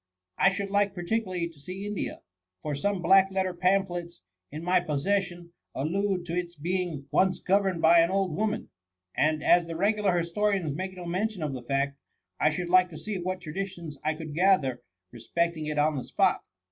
— I should like particularly to see India, for some black letter pamphlets in my possession, allude to its being once governed by an old woman; and as the regular historians make no mention of the fact, I should like to see what traditions I could gather respecting it on the spot.